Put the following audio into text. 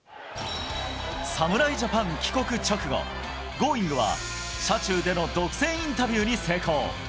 侍ジャパン帰国直後、Ｇｏｉｎｇ！は車中での独占インタビューに成功。